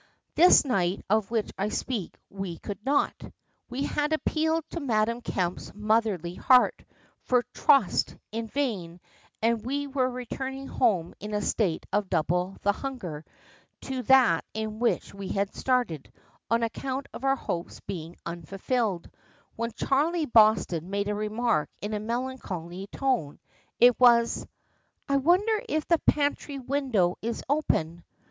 This night of which I speak we could not. We had appealed to Madame Kemp's motherly heart for "trust," in vain, and we were returning home in a state of double the hunger to that in which we had started, on account of our hopes being unfulfilled, when Charlie Boston made a remark in a melancholy tone: it was "I wonder if the pantry window is open."